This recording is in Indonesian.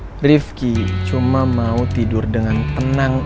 pak rifki cuma mau tidur dengan tenang